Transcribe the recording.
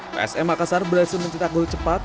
psm makassar berhasil mencetak gol cepat